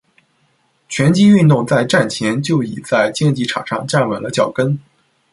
拳击运动在战前就已在竞技场上站稳了脚跟。